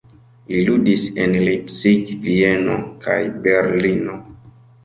Li ludis en Leipzig, Vieno kaj Berlino.